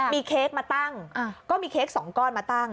มีเค้กมาตั้งก็มีเค้ก๒ก้อนมาตั้ง